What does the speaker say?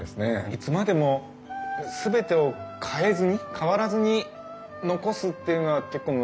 いつまでも全てを変えずに変わらずに残すっていうのは結構難しいと思うんですよね。